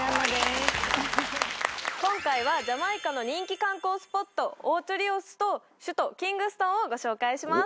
今回はジャマイカの人気観光スポットオーチョ・リオスと首都キングストンをご紹介します